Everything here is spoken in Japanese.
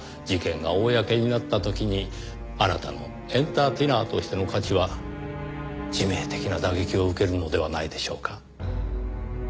事件が公になった時にあなたのエンターテイナーとしての価値は致命的な打撃を受けるのではないでしょうか？